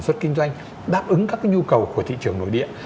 các doanh nghiệp việt nam đã đáp ứng các nhu cầu của thị trường nội địa